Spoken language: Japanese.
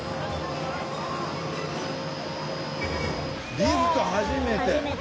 リフト初めて？